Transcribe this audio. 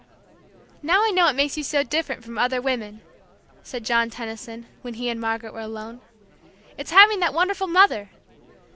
"Now I know what makes you so different from other women," said John Tenison, when he and Margaret were alone. "It's having that wonderful mother!